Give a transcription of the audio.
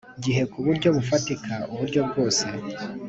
Gihe ku buryo bufatika uburyo bwose